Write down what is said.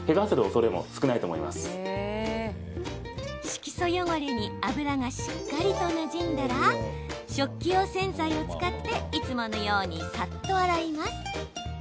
色素汚れに油がしっかりとなじんだら食器用洗剤を使っていつものようにさっと洗います。